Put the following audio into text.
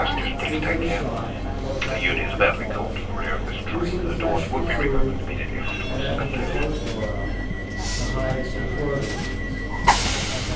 These they shot, or trapped in pitfalls, using the flesh for food, and, after their clothes wore out, the hides for clothing.